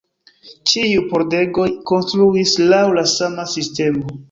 Ĉiuj pordegoj konstruis laŭ la sama sistemo.